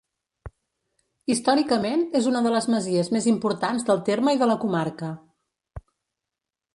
Històricament, és una de les masies més importants del terme i de la comarca.